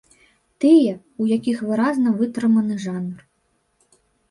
Тыя, у якіх выразна вытрыманы жанр.